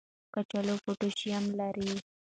کچالو پوټاشیم لري.